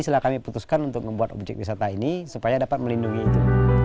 silahkan kami putuskan untuk membuat objek wisata ini supaya dapat melindungi itu